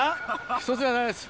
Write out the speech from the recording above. １つじゃないです。